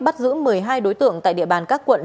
bắt giữ một mươi hai đối tượng tại địa bàn các quận